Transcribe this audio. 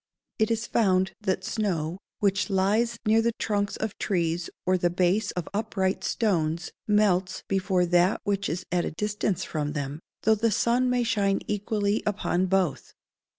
It is found that snow, which lies near the trunks of trees or the base of upright stones, melts before that which is at a distance from them, though the sun may shine equally upon both.